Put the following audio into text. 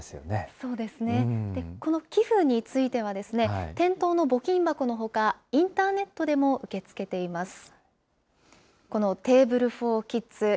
そうですね、この寄付については、店頭の募金箱のほか、インターネットでも受け付けています。